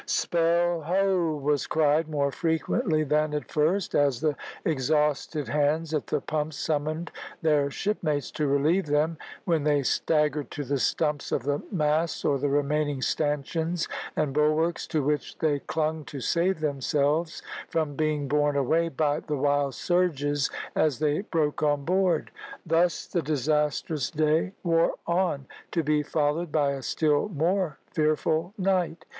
"Spell, ho!" was cried more frequently than at first, as the exhausted hands at the pumps summoned their shipmates to relieve them, when they staggered to the stumps of the masts or the remaining stanchions and bulwarks, to which they clung to save themselves from being borne away by the wild surges as they broke on board. Thus the disastrous day wore on, to be followed by a still more fearful night.